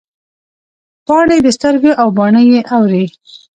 پاڼې د سترګو او باڼه یې اوري